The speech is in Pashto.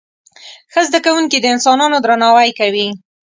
ښه زده کوونکي د انسانانو درناوی کوي.